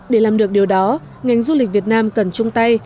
để làm được điều đó ngành du lịch việt nam cần chung tay